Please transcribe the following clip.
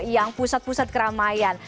yang pusat pusat keramaian